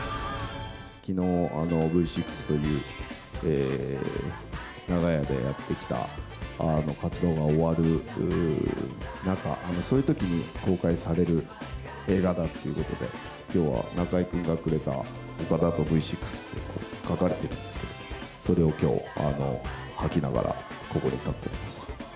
きのう、Ｖ６という長い間やってきた活動が終わる中、そういうときに公開される映画だということで、きょうは中居君がくれた岡田とＶ６って書かれてるんですけど、それをきょう、履きながら、ここに立っております。